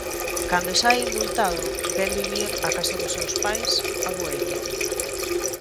Cando sae indultado ven vivir a casa dos seus pais a Boelle.